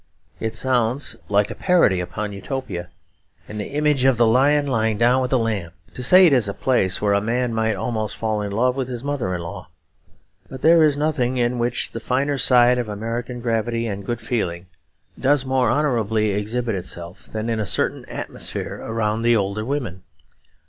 It sounds like a parody upon Utopia, and the image of the lion lying down with the lamb, to say it is a place where a man might almost fall in love with his mother in law. But there is nothing in which the finer side of American gravity and good feeling does more honourably exhibit itself than in a certain atmosphere around the older women.